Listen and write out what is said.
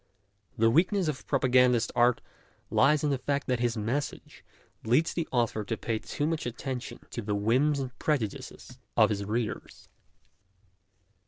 The weakness of propagandist art lies in the fact that his message leads the author to pay too much attention to the whims and prejudices of his 86 MONOLOGUES readers.